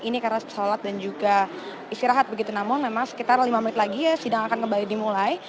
ini karena sholat dan juga istirahat begitu namun memang sekitar lima menit lagi sidang akan kembali dimulai